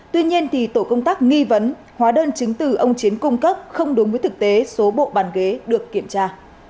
tuy nhiên tổ công tác nghi vấn hóa đơn chứng từ ông chiến cung cấp không đúng với thực tế số bộ bàn ghế được kiểm tra